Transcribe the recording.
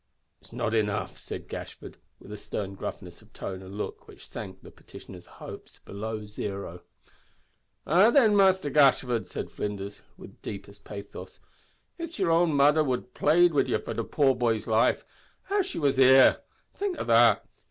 "It's not enough," said Gashford, with a stern gruffness of tone and look which sank the petitioner's hopes below zero. "Ah! then, Muster Gashford," said Flinders, with the deepest pathos, "it's yer own mother would plade wid ye for the poor boy's life, av she was here think o' that.